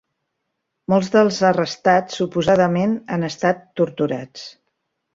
Molts dels arrestats, suposadament, han estat torturats.